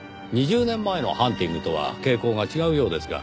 ２０年前の「ハンティング」とは傾向が違うようですが。